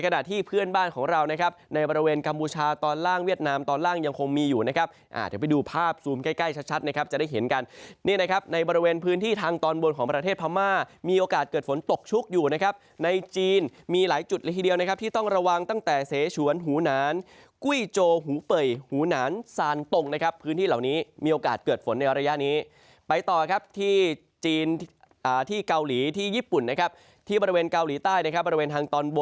เดี๋ยวไปดูภาพซูมใกล้ชัดนะครับจะได้เห็นกันนี่นะครับในบริเวณพื้นที่ทางตอนบนของประเทศพลามามีโอกาสเกิดฝนตกชุกอยู่นะครับในจีนมีหลายจุดละทีเดียวนะครับที่ต้องระวังตั้งแต่เสชวนหูนานกุ้ยโจหูเป่ยหูนานสานตกนะครับพื้นที่เหล่านี้มีโอกาสเกิดฝนในอรัยะนี้ไปต่อครับที่จีนที่เกาห